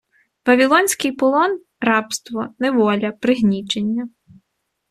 Вавілонський полон - «рабство», «неволя», «пригнічення».